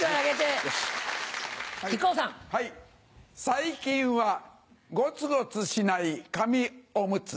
最近はゴツゴツしない紙おむつ。